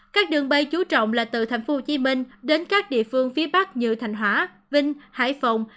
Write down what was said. các đường bay chú trọng là từ tp hcm đến các địa phương phía bắc như thành hóa vinh hải phòng